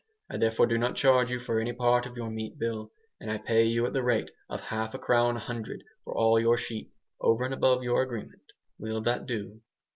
I therefore do not charge you for any part of your meat bill, and I pay you at the rate of half a crown a hundred for all your sheep, over and above your agreement. Will that do?"